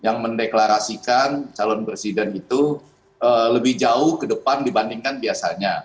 yang mendeklarasikan calon presiden itu lebih jauh ke depan dibandingkan biasanya